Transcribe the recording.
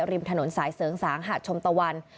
ริมถนนสายเสริงสางหาดชมตะวัน